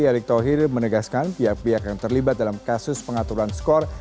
erick thohir menegaskan pihak pihak yang terlibat dalam kasus pengaturan skor